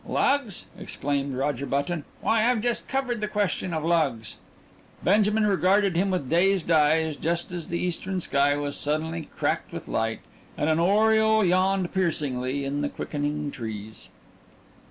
"Lugs?" exclaimed Roger Button, "Why, I've just covered the question of lugs." Benjamin regarded him with dazed eyes just as the eastern sky was suddenly cracked with light, and an oriole yawned piercingly in the quickening trees...